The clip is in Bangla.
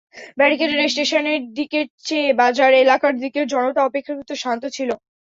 ব্যারিকেডের স্টেশনের দিকের চেয়ে বাজার এলাকার দিকের জনতা অপেক্ষাকৃত শান্ত ছিল।